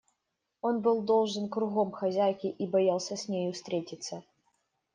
Он был должен кругом хозяйке и боялся с нею встретиться.